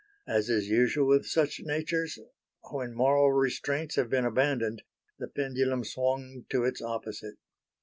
As is usual with such natures, when moral restraints have been abandoned, the pendulum swung to its opposite.